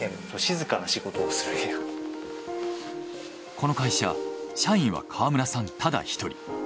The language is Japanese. この会社社員は川村さんただ１人。